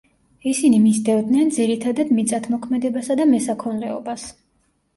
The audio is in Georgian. ისინი მისდევენ, ძირითადად, მიწათმოქმედებასა და მესაქონლეობას.